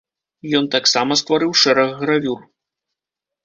Ён таксама стварыў шэраг гравюр.